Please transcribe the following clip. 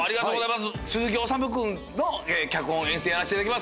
鈴木おさむ君脚本・演出でやらせていただきます